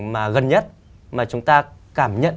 mà gần nhất mà chúng ta cảm nhận